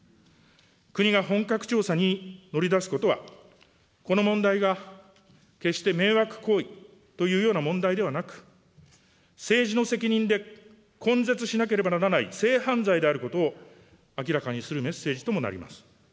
国が本格調査に乗り出すことは、この問題が決して迷惑行為というような問題ではなく、政治の責任で根絶しなければならない性犯罪であることを明らかにするメッセージともなります。